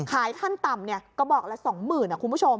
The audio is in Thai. ขายขั้นต่ำเนี่ยกระบอกละสองหมื่นอ่ะคุณผู้ชม